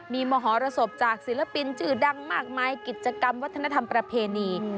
มีมหรสบจากศิลปินชื่อดังมากมายกิจกรรมวัฒนธรรมประเพณี